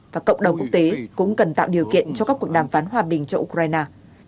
và cộng đồng quốc tế cũng cần tạo điều kiện cho các cuộc đàm phán hòa bình cho ukraine